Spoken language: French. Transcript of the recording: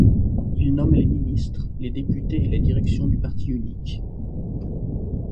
Il nomme les ministres, les députés et la direction du parti unique.